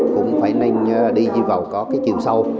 cũng phải nên đi vào có cái chiều sâu